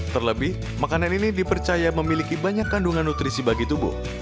terlebih makanan ini dipercaya memiliki banyak kandungan nutrisi bagi tubuh